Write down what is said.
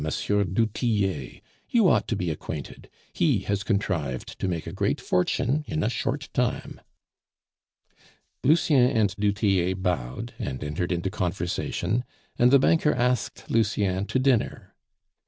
du Tillet; you ought to be acquainted, he has contrived to make a great fortune in a short time." Lucien and du Tillet bowed, and entered into conversation, and the banker asked Lucien to dinner.